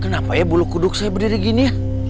kenapa ya bulu kuduk saya berdiri gini ya